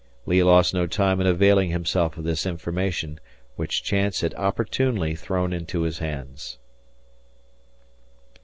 Lee lost no time in availing himself of this information, which chance had opportunely thrown into his hands.